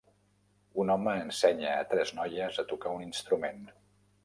Un home ensenya a tres noies a tocar un instrument.